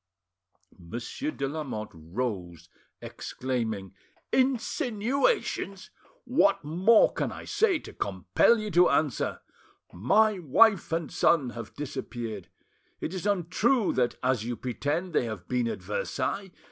Monsieur de Lamotte rose, exclaiming— "Insinuations! What more can I say to compel you to answer? My wife and son have disappeared. It is untrue that, as you pretend, they have been at Versailles.